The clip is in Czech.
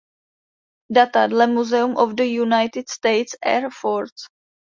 Data dle "Museum of the United States Air Force"